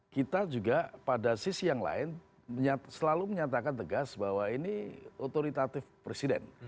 kita juga pada sisi yang lain selalu menyatakan tegas bahwa ini otoritatif presiden